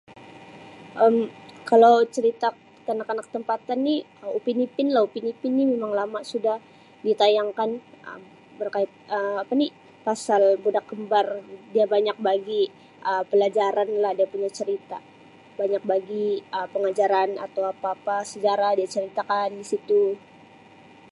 Um Kalau cerita kanak-kanak tempatan ni Um Upin Ipin lah Upin Ipin ni memang lama sudah ditayangkan Um berkait Um apa ni pasal budak kembar dia banyak bagi Um pelajaranlah dia punya cerita banyak bagi Um pengajaran atau apa-apa sejarah dia ceritakan di situ.